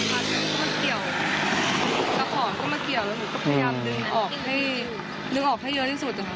ถ้ามันเกี่ยวตะขอเข้ามาเกี่ยวแล้วหนูก็พยายามดึงออกให้ดึงออกให้เยอะที่สุด